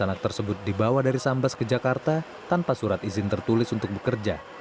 anak tersebut dibawa dari sambas ke jakarta tanpa surat izin tertulis untuk bekerja